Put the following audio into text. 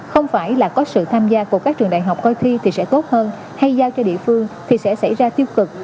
không phải là có sự tham gia của các trường đại học coi thi thì sẽ tốt hơn hay giao cho địa phương thì sẽ xảy ra tiêu cực